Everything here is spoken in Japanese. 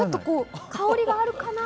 香りがあるかな？